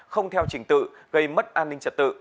không theo trình tự gây mất an ninh trật tự